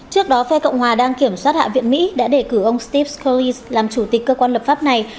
trước đó phe cộng hòa đang kiểm soát hạ viện mỹ đã đề cử ông steve scurllis làm chủ tịch cơ quan lập pháp này